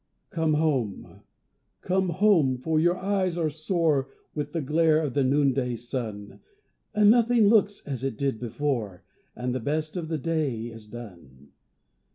COME home, come home, for your eyes are sore With the glare of the noonday sun, And nothing looks as it did before, And the best of the day is done.